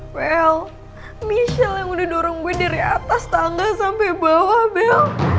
well michelle yang udah dorong gue dari atas tangga sampai bawah bel